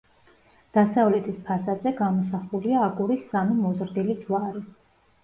დასავლეთის ფასადზე გამოსახულია აგურის სამი მოზრდილი ჯვარი.